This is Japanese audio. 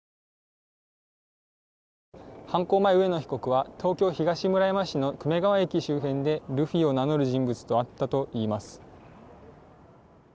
犯行前、上野被告は東京・東村山市の久米川駅周辺でルフィを名乗る人物と会ったといいます。